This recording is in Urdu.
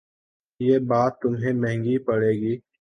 یہ بات تمہیں مہنگی پڑے گی